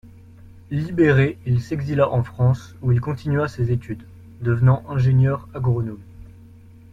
Libéré, il s'exila en France où il continua ses études, devenant ingénieur agronome.